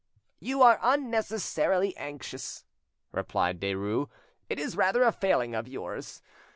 "You are unnecessarily anxious," replied Derues; "it is rather a failing of yours.